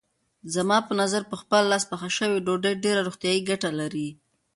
زما په نظر په خپل لاس پخه شوې ډوډۍ ډېرې روغتیايي ګټې لري.